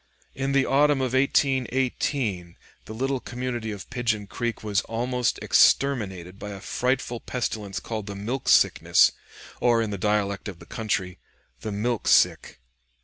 In the autumn of 1818 the little community of Pigeon Creek was almost exterminated by a frightful pestilence called the milk sickness, or, in the dialect of the country, "the milk sick."